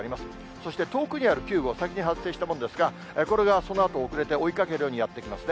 そして遠くにある９号、最近発生したものですが、これがそのあと遅れて追いかけるようにやって来ますね。